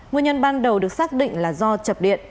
nguyên nhân ban đầu được xác định là do chập điện